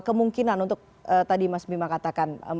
kemungkinan untuk tadi mas bima katakan